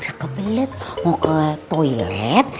udah kebelet mau ke toilet